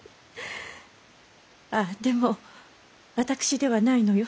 あぁでも私ではないのよ。